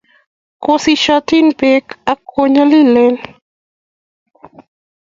Ko sisiatin beek ak ko nyalilen